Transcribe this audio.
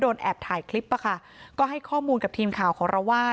แอบถ่ายคลิปอะค่ะก็ให้ข้อมูลกับทีมข่าวของเราว่า